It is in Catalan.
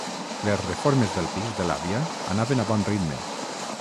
Les reformes del pis de l'àvia anaven a bon ritme.